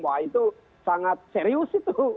wah itu sangat serius itu